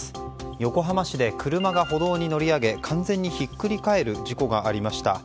横浜市で車が歩道に乗り上げ完全にひっくり返る事故がありました。